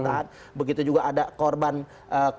karena alternanti ubud dan dari hardware disk